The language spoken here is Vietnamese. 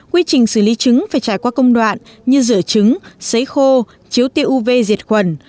quy trình xử lý trứng phải trải qua công đoạn như rửa trứng xấy khô chiếu tiêu uv diệt khuẩn